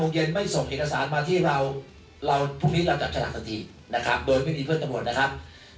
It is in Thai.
โอเคครับเชิญกันต่อครับ